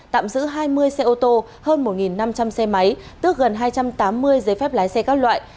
tạm giữ hai mươi xe ô tô hơn một năm trăm linh xe máy tước gần hai trăm tám mươi giấy phép lái xe các loại